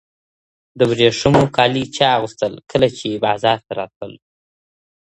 د ورېښمو کالي چا اغوستل کله چې بازار ته راتلل؟